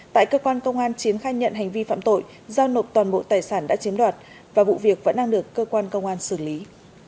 tại cơ quan công an chiến khai nhận hành vi phạm tội giao nộp toàn bộ tài sản đã chiếm đoạt và vụ việc vẫn đang được cơ quan công an xử lý